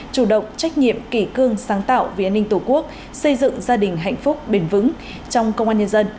chủ động trách nhiệm kỳ cương sáng tạo vì an ninh tổ quốc xây dựng gia đình hạnh phúc bền vững trong công an nhân dân